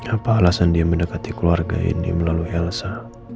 apa alasan dia mendekati keluarga ini melalui elsa